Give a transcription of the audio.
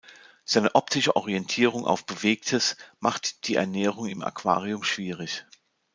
Seine optische Orientierung auf Bewegtes macht die Ernährung im Aquarium schwierig.